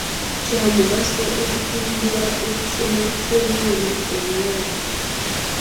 Kya mugaso okutumbula okusoma kw'omwana omuwala.